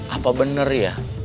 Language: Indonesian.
apa benar ya